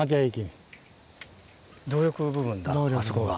動力部分だあそこが。